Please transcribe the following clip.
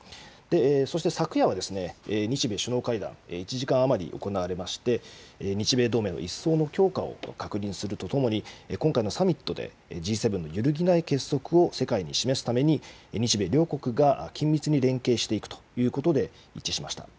そして昨夜は日米首脳会談、１時間余り行われまして、日米同盟の一層の強化を確認するとともに、今回のサミットでＧ７の揺るぎない結束を世界に示すために、日米両国が緊密に連携していくということで一致しました。